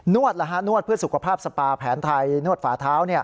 นวดเพื่อสุขภาพสปาแผนไทยนวดฝาเท้า